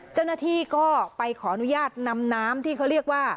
เจ้าหน้าที่ก็ไปขออนุญาตนำน้ำที่เขาเรียกว่า